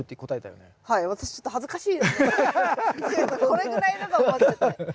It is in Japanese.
これぐらいだと思ってた。